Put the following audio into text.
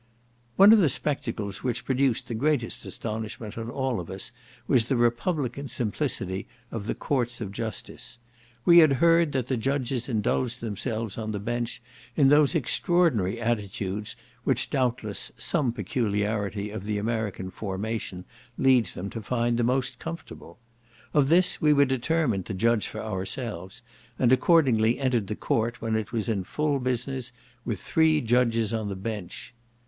One of the spectacles which produced the greatest astonishment on us all was the Republican simplicity of the courts of justice. We had heard that the judges indulged themselves on the bench in those extraordinary attitudes which, doubtless, some peculiarity of the American formation leads them to find the most comfortable. Of this we were determined to judge for ourselves, and accordingly entered the court when it was in full business, with three judges on the bench.